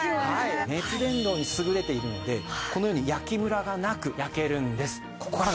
熱伝導に優れているのでこのように焼きムラがなく焼けるんです。